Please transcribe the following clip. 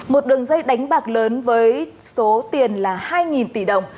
một đường dây đánh bạc lớn với số tiền là hai tỷ đồng